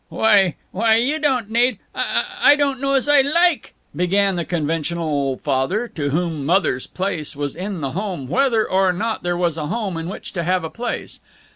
"Why why you don't need I don't know as I like " began the conventional old Father to whom woman's place was in the home whether or not there was a home in which to have a place.